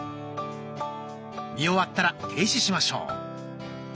見終わったら停止しましょう。